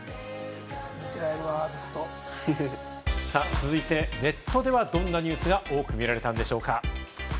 続いてネットではどんなニュースが多く見られたのでしょうか。